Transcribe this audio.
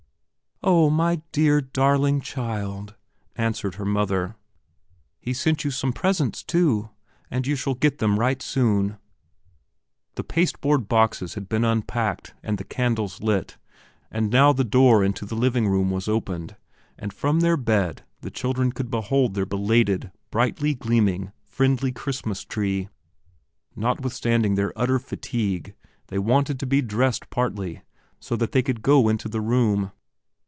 "Oh, my dear, darling child," answered her mother, "he sent you some presents, too, and you shall get them right soon." The paste board boxes had been unpacked and the candles lit, and now the door into the living room was opened, and from their bed the children could behold their belated, brightly gleaming, friendly Christmas tree. Notwithstanding their utter fatigue they wanted to be dressed partly, so that they could go into the room.